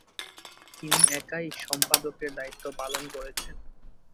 তিনি একাই সম্পাদকের দায়িত্ব পালন করেছেন।